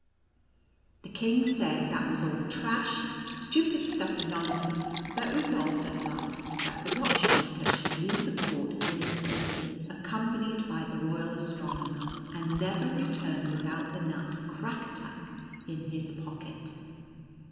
The king said that was all trash, stupid stuff and nonsense, but resolved at last, that the watchmaker should leave the court instantly, accompanied by the royal astronomer, and never return without the nut Crackatuck in his pocket.